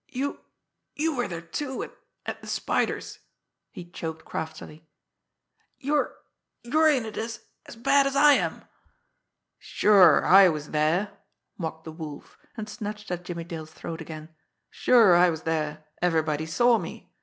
"You you were there, too, at at the Spider's," he choked craftily. "You're you're in it as as bad as I am." "Sure, I was there!" mocked the Wolf, and snatched at Jimmie Dale's throat again. "Sure, I was there everybody saw me!